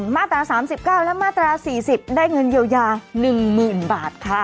มาตรา๓๙และมาตรา๔๐ได้เงินเยียวยา๑๐๐๐บาทค่ะ